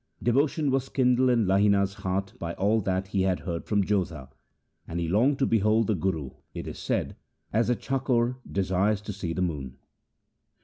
Devotion was kindled in Lahina's heart by all that he had heard from Jodha ; and he longed to behold the Guru, it is said, as the chakor 3 desires to see the moon.